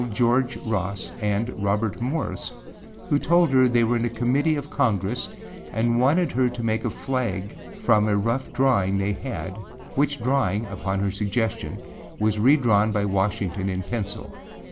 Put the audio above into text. George Ross, and Robert Morris, who told her they were a Committee of Congress and wanted her to make a flag from a rough drawing they had, which drawing, upon her suggestion, was redrawn by Washington in pencil.